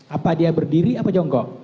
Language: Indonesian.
apa dia berdiri apa jonggo